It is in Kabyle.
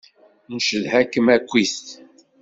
Ncedha-kem akkit.